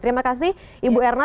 terima kasih ibu erna